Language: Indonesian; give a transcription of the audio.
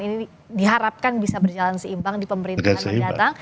ini diharapkan bisa berjalan seimbang di pemerintahan mendatang